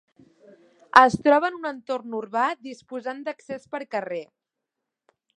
Es troba en un entorn urbà disposant d'accés per carrer.